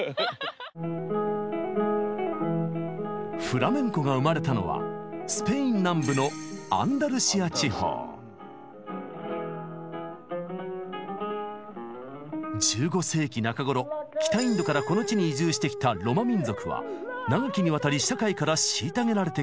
フラメンコが生まれたのはスペイン南部の１５世紀中ごろ北インドからこの地に移住してきたロマ民族は長きにわたり社会から虐げられてきました。